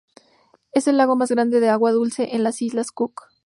Es el lago más grande de agua dulce en las Islas Cook.